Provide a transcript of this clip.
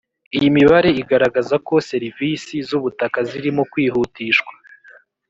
Iyi mibare iragaragaza ko serivisi z ubutaka zirimo kwihutishwa